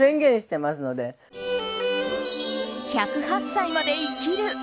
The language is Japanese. １０８歳まで生きる。